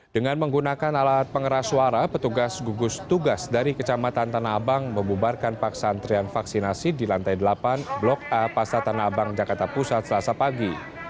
dengan menggunakan alat pengeras suara petugas gugus tugas dari kecamatan tanah abang membubarkan paksa antrian vaksinasi di lantai delapan blok a pasar tanah abang jakarta pusat selasa pagi